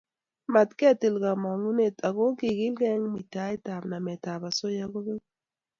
Matketil komongunet ako ongegilkei eng muitaetab nametab osoya kobeku